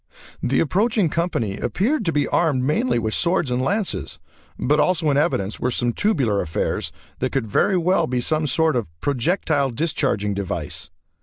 The approaching company appeared to be armed mainly with swords and lances, but also in evidence were some tubular affairs that could very well be some sort of projectile discharging device.